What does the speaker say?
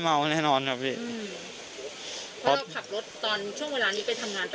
เพราะเราขับรถตอนช่วงเวลานี้ไปทำงานไป